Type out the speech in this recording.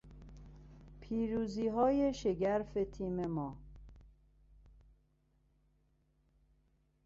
پیروزیهای شگرف تیم ما